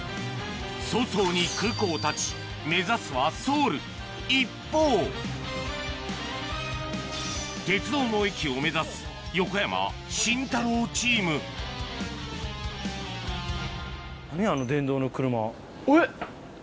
早々に空港をたち目指すはソウル一方鉄道の横山・慎太郎チームえっ！